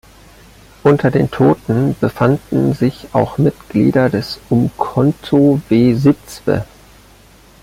Unter den Toten befanden sich auch Mitglieder des Umkhonto we Sizwe.